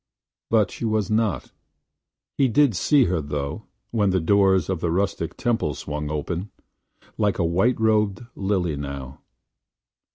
But she was not. He did see her though – when the doors of the rustic temple swung open – like a white robed lily now.